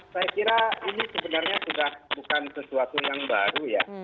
saya kira ini sebenarnya sudah bukan sesuatu yang baru ya